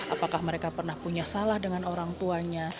apakah mereka pernah punya salah dengan orang tuanya